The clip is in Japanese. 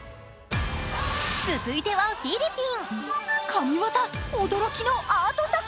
続いてはフィリピン。